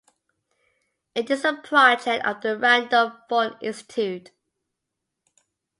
It is a project of the Randolph Bourne Institute.